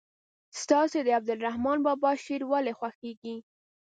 ستاسې د عبدالرحمان بابا شعر ولې خوښیږي.